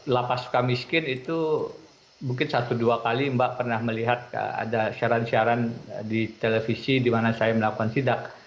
lapas suka miskin itu mungkin satu dua kali mbak pernah melihat ada siaran siaran di televisi di mana saya melakukan sidak